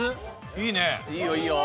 いいよいいよ。